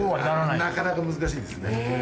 なかなか難しいですね。え。